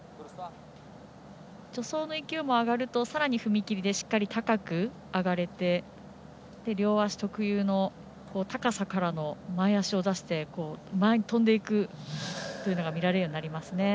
助走の勢いも上がるとさらに踏み切りでしっかり高く上がれて両足特有の高さからの前足を出して前に跳んでいくというのが見られるようになりますね。